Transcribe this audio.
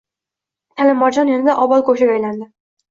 Talimarjon yanada obod go‘shaga aylandi